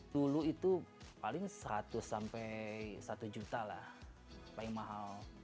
dulu itu paling seratus sampai satu juta lah paling mahal